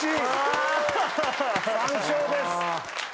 ３笑です。